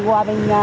qua bên phố